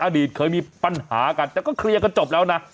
อดีตเคยมีปัญหากันแต่ก็เคลียร์กันจบแล้วนะ